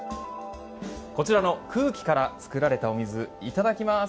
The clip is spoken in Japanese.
こちらの空気から作られたお水いただきます。